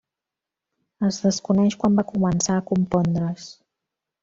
Es desconeix quan va començar a compondre's.